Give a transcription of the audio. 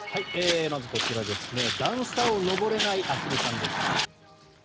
まずこちら段差を上れないアヒルさんです。